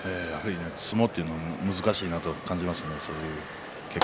相撲というのは難しいなと感じますね。